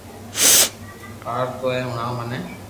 يار تو تو ھڻاو مين